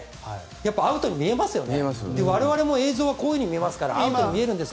これはアウトに見えますよね。